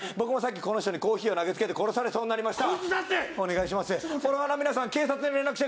この人にコーヒー投げつけられて殺されそうになりました。